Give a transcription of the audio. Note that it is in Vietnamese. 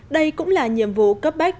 đây cũng là nhiệm vụ cấp bách